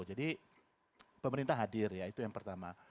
jadi pemerintah hadir ya itu yang pertama